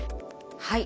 はい。